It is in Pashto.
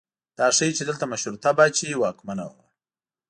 دا ښیي چې دلته مشروطه پاچاهي واکمنه وه.